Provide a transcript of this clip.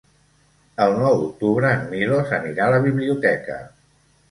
El nou d'octubre en Milos anirà a la biblioteca.